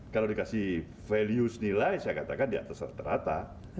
kalau dikasih values nilai saya katakan di atas rata rata